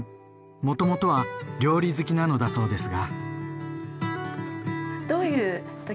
もともとは料理好きなのだそうですが。